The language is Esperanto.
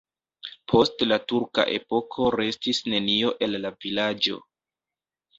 Post la turka epoko restis nenio el la vilaĝo.